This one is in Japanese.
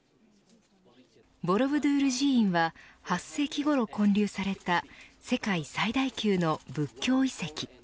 ボロブドゥール寺院は８世紀ごろ建立された世界最大級の仏教遺跡。